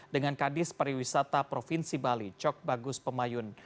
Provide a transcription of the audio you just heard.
dengan kandis periwisata provinsi bali cok bagus pemayun